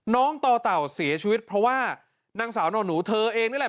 น้องต่อเต่าเสียชีวิตเพราะว่านางสาวนอนหนูเธอเองนี่แหละ